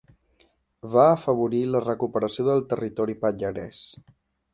Va afavorir la recuperació del territori pallarès.